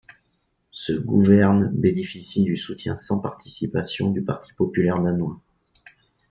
Ce gouvernent bénéficie du soutien sans participation du parti populaire danois.